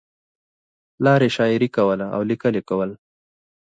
پلار یې شاعري کوله او لیکل یې کول